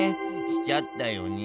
しちゃったよね。